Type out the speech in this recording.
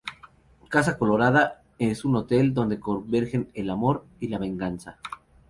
Casa Colorada es un hotel donde convergen el amor y la venganza.